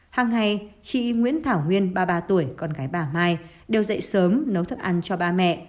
hàng ngày chị nguyễn thảo nguyên ba mươi ba tuổi con gái bà mai đều dậy sớm nấu thức ăn cho ba mẹ